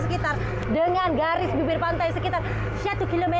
sekitar dengan garis bibir pantai sekitar satu km